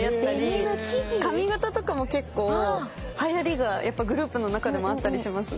デニム生地⁉髪型とかも結構はやりがグループの中でもあったりしますね。